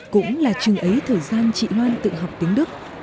cũng là chừng ấy thời gian chị loan tự học tiếng đức